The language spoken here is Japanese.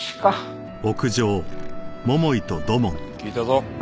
聞いたぞ。